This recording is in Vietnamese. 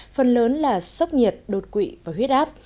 phần lớn là sốc nhiệt đột quỵ và huyết áp